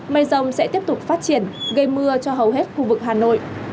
mây rông sẽ tiếp tục phát triển gây mưa cho hầu hết khu vực hà nội